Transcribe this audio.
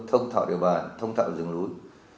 thông thạo địa bàn thông thạo rừng núi